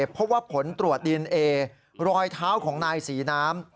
เพราะว่าผลตรวจดีเอนเอรอยเท้าของนายศรีน้ำ